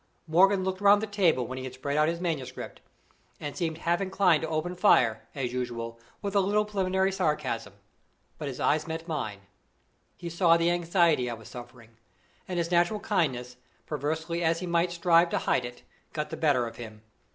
Morgan looked round the table when he had spread out his manuscript, and seemed half inclined to open fire, as usual, with a little preliminary sarcasm; but his eyes met mine; he saw the anxiety I was suffering; and his natural kindness, perversely as he might strive to hide it, got the better of him.